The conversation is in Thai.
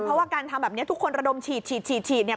เพราะว่าการทำแบบนี้ทุกคนระดมฉีดฉีดเนี่ย